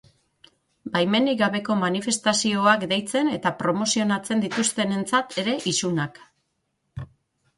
Baimenik gabeko manifestazioak deitzen eta promozionatzen dituztenentzat ere, isunak.